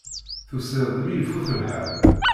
Tusiḍ-d mi ifut lḥal.